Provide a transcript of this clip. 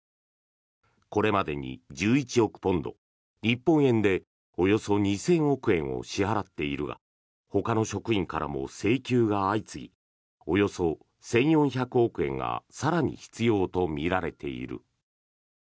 これまでに１１億ポンド日本円でおよそ２０００億円を支払っているがほかの職員からも請求が相次ぎおよそ１４００億円が更に必要とみられている。